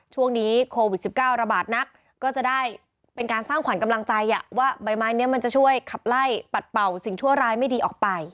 ช่วงนี้โควิด๑๙ระบาดนักก็จะได้เป็นการสร้างขวัญกำลังใจว่าใบไม้นี้มันจะช่วยขับไล่ปัดเป่าสิ่งชั่วร้ายไม่ดีออกไป